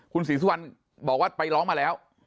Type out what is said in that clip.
คุณศรีสุวรรณบอกว่าไปร้องมาแล้ว